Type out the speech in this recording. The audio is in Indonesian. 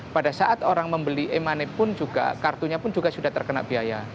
pada saat orang membeli e money pun juga kartunya pun juga sudah terkena biaya